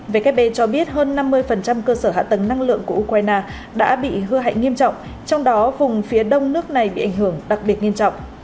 vkp cho biết hơn năm mươi cơ sở hạ tầng năng lượng của ukraine đã bị hư hại nghiêm trọng trong đó vùng phía đông nước này bị ảnh hưởng đặc biệt nghiêm trọng